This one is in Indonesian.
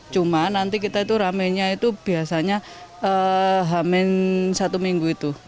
cuma nanti kita itu rame nya itu biasanya rame satu minggu itu